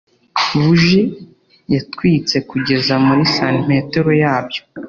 buji yatwitse kugeza muri santimetero yabyo